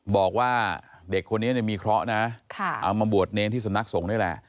บอกว่าเด็กคนนี้มีเคราะห์นะเอามาบวชเนรที่สำนักสงฆ์นี่แหละ